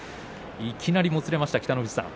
いきなりもつれました北の富士さん。